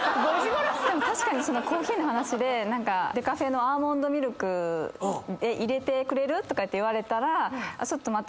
確かにコーヒーの話で「デカフェのアーモンドミルク入れてくれる？」とかって言われたら待って。